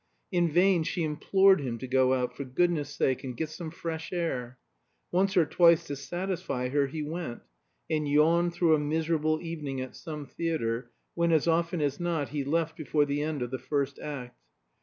In vain she implored him to go out, for goodness' sake, and get some fresh air. Once or twice, to satisfy her, he went, and yawned through a miserable evening at some theatre, when, as often as not, he left before the end of the first act.